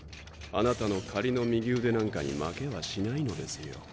あなたの仮の右腕なんかに負けはしないのですよ。